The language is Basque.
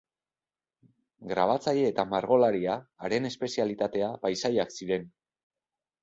Grabatzaile eta margolaria, haren espezialitatea paisaiak ziren.